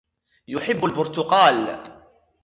يحب البرتقال.